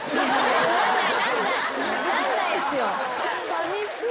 さみしい。